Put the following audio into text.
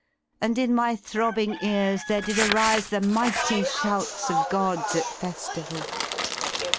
And in my throbbing ears there did arise The mighty shouts of Gods atfeilival.